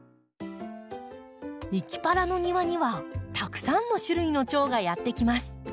「いきパラ」の庭にはたくさんの種類のチョウがやって来ます。